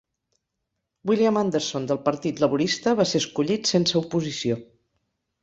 William Anderson del Partit Laborista va ser escollit sense oposició.